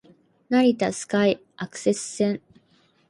成田スカイアクセス線